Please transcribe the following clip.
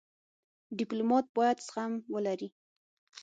ډيپلومات باید زغم ولري.